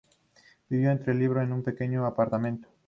Vivió entre libros en un pequeño apartamento.